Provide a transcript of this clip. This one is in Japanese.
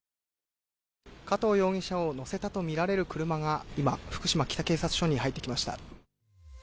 加藤容疑者を乗せたとみられる車が今、福島北警察署に入ってきました。